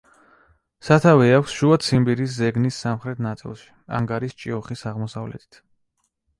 სათავე აქვს შუა ციმბირის ზეგნის სამხრეთ ნაწილში, ანგარის ჭიუხის აღმოსავლეთით.